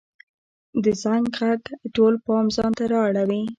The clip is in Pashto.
د زنګ ږغ ټول پام ځانته را اړوي.